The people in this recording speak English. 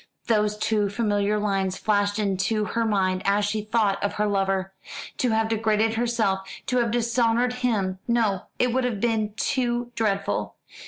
Those two familiar lines flashed into her mind as she thought of her lover. To have degraded herself, to have dishonoured him; no, it would have been too dreadful.